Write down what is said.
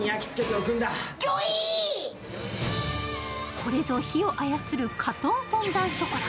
これぞ火を操る火遁フォンダンショコラ。